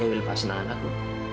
dewi lepaskan tangan aku